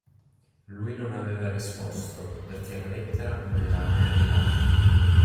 Lui non aveva risposto, perché la lettera non era mai arrivata.